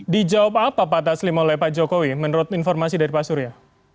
dijawab apa pak taslim oleh pak jokowi menurut informasi dari pak surya